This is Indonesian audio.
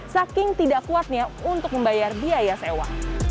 saking tidak kuatnya untuk membayar biaya sewa